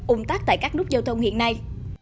ung tác tại các nút giao thông hiện nay